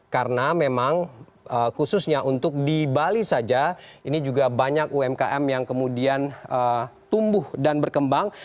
karena memang khususnya untuk di bali saja ini juga banyak umkm yang kemudian tumbuh dan berkembang